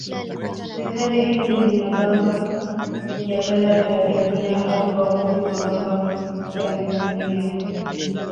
Vipande hivyo ni mabamba ya ganda la Dunia au kwa kifupi mabamba gandunia.